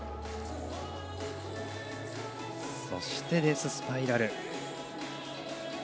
そしてデススパイラル。